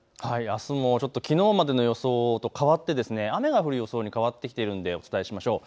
あすもきのうまでの予想と変わって雨が降る予想に変わってきているので、お伝えしましょう。